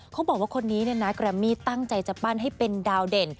เขาบอกว่าคนนี้เนี่ยนะแกรมมี่ตั้งใจจะปั้นให้เป็นดาวเด่น